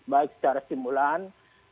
baik secara simulan